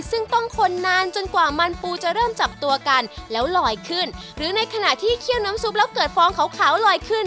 ซึ่งต้องคนนานจนกว่ามันปูจะเริ่มจับตัวกันแล้วลอยขึ้นหรือในขณะที่เคี่ยวน้ำซุปแล้วเกิดฟองขาวลอยขึ้น